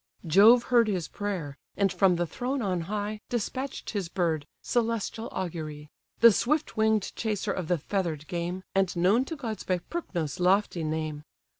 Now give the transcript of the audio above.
Jove heard his prayer, and from the throne on high, Despatch'd his bird, celestial augury! The swift wing'd chaser of the feather'd game, And known to gods by Percnos' lofty name.